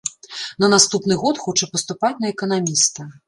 На наступны год хоча паступаць на эканаміста.